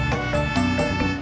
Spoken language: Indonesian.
pulang aja lah